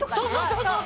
そうそう！